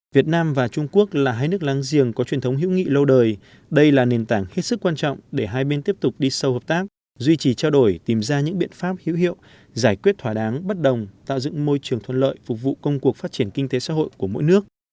việt nam và trung quốc là hai nước láng giềng có truyền thống hữu nghị lâu đời đây là nền tảng hết sức quan trọng để hai bên tiếp tục đi sâu hợp tác duy trì trao đổi tìm ra những biện pháp hữu hiệu giải quyết thỏa đáng bất đồng tạo dựng môi trường thuận lợi phục vụ công cuộc phát triển kinh tế xã hội của mỗi nước